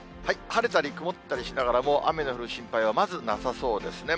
晴れたり曇ったりしながら、雨の降る心配はまずなさそうですね。